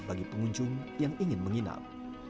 bagi pengunjung yang ingin menginap